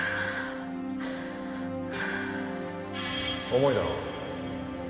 重いだろ。